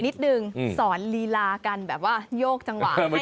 นิดนึงสอนลีลากันแบบว่าโยกจังหวะให้